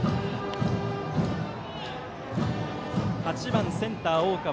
８番センター、大川